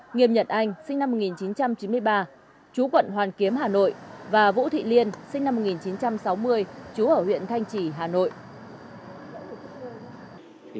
nghiêm nhật anh sinh năm một nghìn chín trăm chín mươi ba chú quận hoàn kiếm hà nội và vũ thị liên sinh năm một nghìn chín trăm sáu mươi trú ở huyện thanh trì hà nội